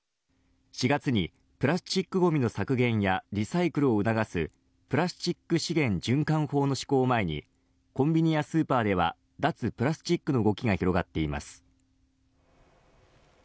４月にプラスチックごみの削減やリサイクルを促すプラスチック資源循環法の施行を前にコンビニやスーパーでは脱プラスチックの動きが広がっています。